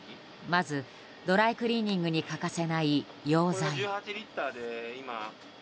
まず、ドライクリーニングに欠かせない溶剤。